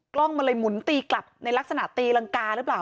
กล้องมันเลยหมุนตีกลับในลักษณะตีรังกาหรือเปล่า